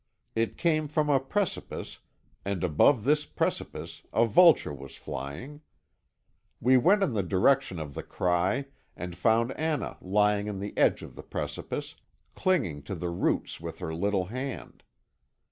It came from a precipice, and above this precipice a vulture was flying. We went in the direction of the cry, and found Anna lying on the edge of the precipice, clinging to the roots with her little hand.